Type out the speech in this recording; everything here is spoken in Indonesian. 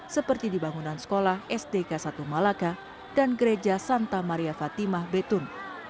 seperti di bangunan sekolah sdk satu malaka dan gereja santa maria fatimah betun